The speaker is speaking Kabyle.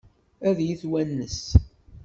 Ad iyi-twanes?